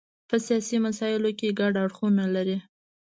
په سیاسي مسایلو کې ګډ اړخونه لري.